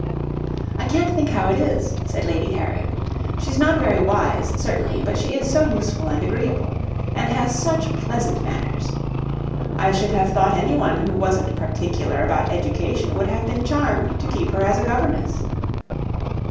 "I can't think how it is," said Lady Harriet. "She's not very wise, certainly; but she is so useful and agreeable, and has such pleasant manners, I should have thought any one who wasn't particular about education would have been charmed to keep her as a governess."